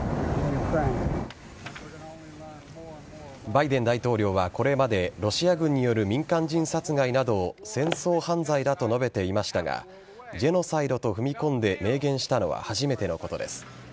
バイデン大統領はこれまでロシア軍による民間人殺害などを戦争犯罪だと述べていましたがジェノサイドと踏み込んで明言したのは初めてのことです。